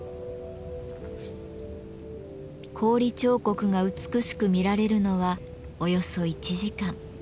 氷彫刻が美しく見られるのはおよそ１時間。